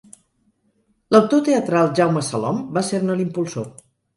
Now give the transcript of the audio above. L'autor teatral Jaume Salom va ser-ne l'impulsor.